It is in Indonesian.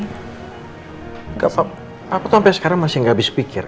enggak pak aku tuh sampe sekarang masih gak habis pikir